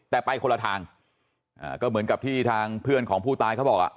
แต่ไปคนละทางก็เหมือนกับที่ทางเพื่อนของผู้ตายเขาบอกอ่ะ